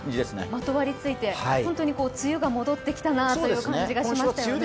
まとわりついて、ホントに梅雨が戻ってきた感じがしましたね。